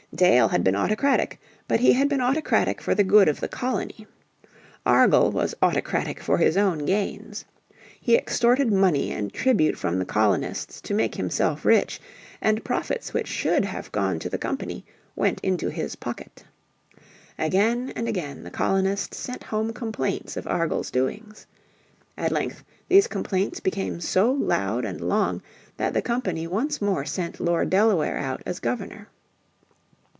Dale had been autocratic, but he had been autocratic for the good of the colony. Argall was autocratic for his own gains. He extorted money and tribute from the colonists to make himself rich, and profits which should have gone to the company went into his pocket. Again and again the colonists sent home complaints of Argall's doings. At length these complaints became so loud and long that the company once more sent Lord Delaware out as Governor.